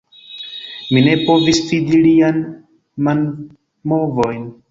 Mi ne povis vidi lian manmovojn